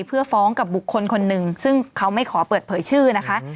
เพื่อฟ้องกับบุคคลคนหนึ่งซึ่งเขาไม่ขอเปิดเผยชื่อนะคะ